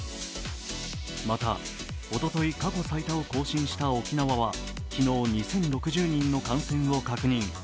また、おととい過去最多を更新した沖縄は昨日、２０６０人の感染を確認。